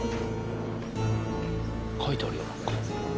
書いてあるよなんか。